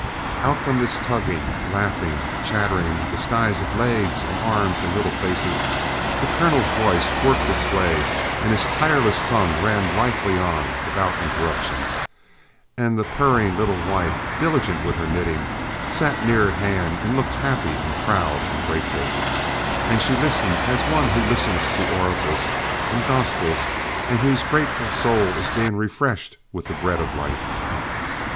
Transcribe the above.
Out from this tugging, laughing, chattering disguise of legs and arms and little faces, the Colonel's voice worked its way and his tireless tongue ran blithely on without interruption; and the purring little wife, diligent with her knitting, sat near at hand and looked happy and proud and grateful; and she listened as one who listens to oracles and, gospels and whose grateful soul is being refreshed with the bread of life.